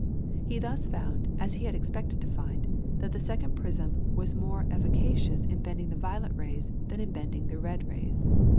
He thus found, as he had expected to find, that the second prism was more efficacious in bending the violet rays than in bending the red rays.